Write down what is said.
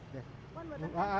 saya sudah berusia lima belas tahun